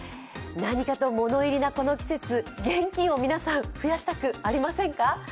何かと物入りなこの季節現金を皆さん、増やしたくありませんか？